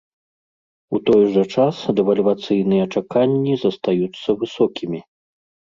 У той жа час дэвальвацыйныя чаканні застаюцца высокімі.